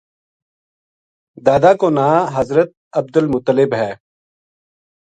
دادا کو ناں حضرت عبدالمطلب ہے۔